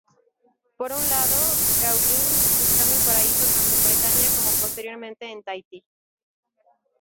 Por un lado Gauguin buscando el paraíso tanto en Bretaña como posteriormente en Tahití.